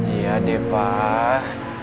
iya deh pak